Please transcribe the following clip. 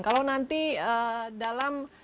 kalau nanti dalam